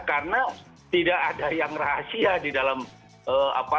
karena tidak ada yang rahasia di dalam apa apa